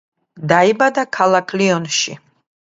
დაიბადა ქალაქ ლიონში.